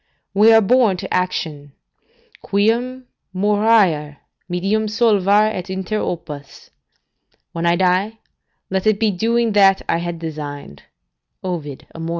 We are born to action: "Quum moriar, medium solvar et inter opus." ["When I shall die, let it be doing that I had designed." Ovid, Amor.